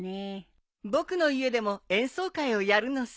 僕の家でも演奏会をやるのさ。